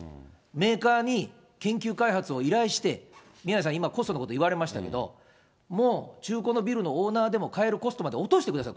メーカーに研究開発を依頼して、宮根さん、今コストのこと言われましたけど、もう中古のビルのオーナーでも買えるコストまで落としてください。